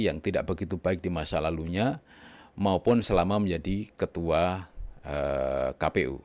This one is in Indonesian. yang tidak begitu baik di masa lalunya maupun selama menjadi ketua kpu